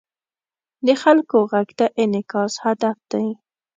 د خلکو غږ ته انعکاس هدف دی.